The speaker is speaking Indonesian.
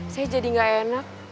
saya jadi gak enak